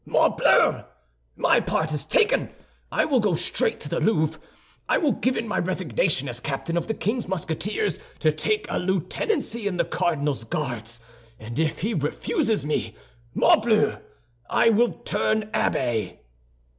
Morbleu! My part is taken! I will go straight to the Louvre; I will give in my resignation as captain of the king's Musketeers to take a lieutenancy in the cardinal's Guards, and if he refuses me, morbleu! I will turn abbé."